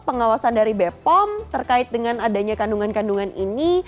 pengawasan dari bepom terkait dengan adanya kandungan kandungan ini